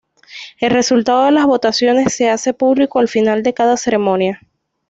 El resultado de las votaciones se hace público al final de cada ceremonia.